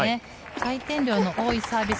回転量の多いサービス